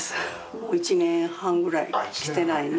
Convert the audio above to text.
もう１年半ぐらい来てないね。